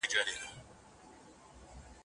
د سورلنډیو انګولا به پښتانه بېروي